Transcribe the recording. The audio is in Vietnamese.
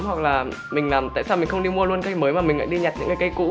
hoặc là mình làm tại sao mình không đi mua luôn cây mới mà mình lại đi nhặt những cây cũ